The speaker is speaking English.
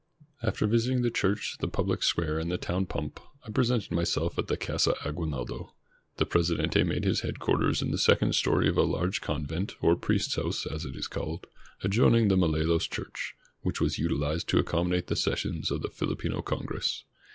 After visiting the church, the public square, and the town pump, I pre sented myself at the Casa Aguinaldo. The Presidente made his headquarters in the second story of a large convent, or priest's house, as it is called, adjoining the Malolos church, which was utilized to accommodate the sessions of the Filipino Congress.